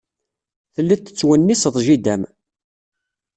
Telliḍ tettwenniseḍ jida-m.